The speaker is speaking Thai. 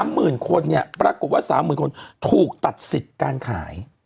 หมื่นคนเนี่ยปรากฏว่า๓๐๐๐คนถูกตัดสิทธิ์การขาย